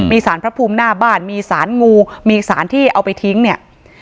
มีสารพระภูมิหน้าบ้านมีสารงูมีสารที่เอาไปทิ้งเนี่ย